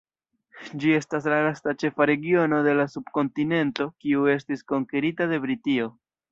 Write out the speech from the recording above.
Ĝi estis la lasta ĉefa regiono de la subkontinento kiu estis konkerita de Britio.